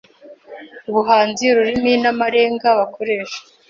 ubuhanzi, ururimi n’amarenga bakoresha